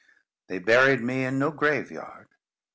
They buried me in no graveyard.